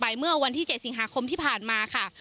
เมื่อวันที่๗สิงหาคมที่ผ่านมาค่ะ